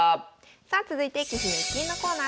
さあ続いて「棋士の逸品」のコーナーです。